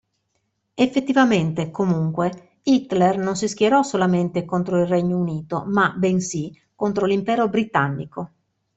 Effettivamente, comunque, Hitler non si schierò solamente contro il Regno Unito ma, bensì, contro l'impero britannico.